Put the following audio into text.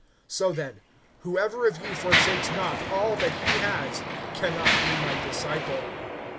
(33)So then, whoever of you forsakes not all that he has can not be my disciple.